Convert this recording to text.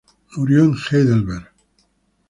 Murió en Heidelberg.